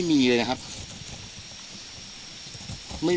แม่น้องชมพู่